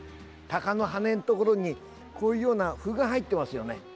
たかの羽のところにこういうような斑が入っていますよね。